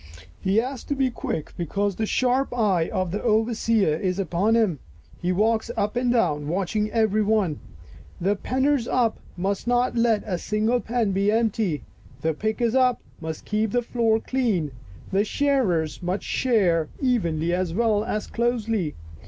He has to be quick because the sharp eye of the overseer is upon him. He walks up and down, watching every one. The " pen ners up " must not let a single pen be empty, " the pickers up " must keep the floor clean, the shearers must shear evenly as well as closely.